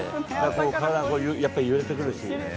体が揺れてくるし。